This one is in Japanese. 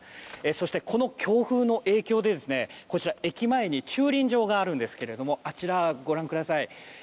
そして、この強風の影響で駅前に駐輪場があるんですけれどもあちらご覧ください。